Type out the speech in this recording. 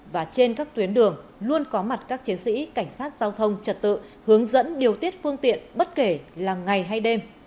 và trên các tuyến đường luôn có mặt các chiến sĩ cảnh sát giao thông trật tự hướng dẫn điều tiết phương tiện bất kể là ngày hay đêm